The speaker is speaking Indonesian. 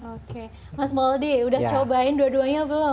oke mas mouldie sudah coba dua duanya belum